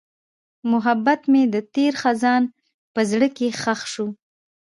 محبت مې د تېر خزان په زړه کې ښخ شو.